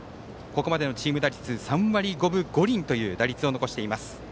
ここまでのチーム打率３割５分５厘という打率を残しています。